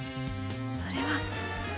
それは。